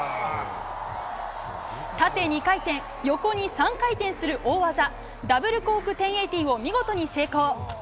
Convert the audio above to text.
縦２回転、横に３回転する大技ダブルコーク１０８０を見事に成功。